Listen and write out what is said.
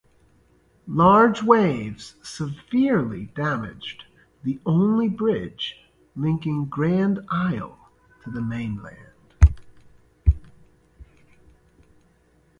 Large waves severely damaged the only bridge linking Grand Isle to the mainland.